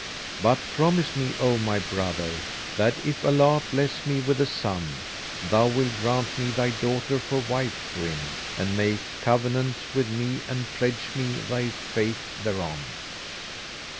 But promise me, O my brother, that if Allah bless me with a son, thou wilt grant me thy daughter for wife to him, and make covenant with me and pledge me thy faith thereon."